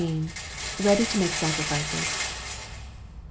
READY TO MAKE SACRIFICES.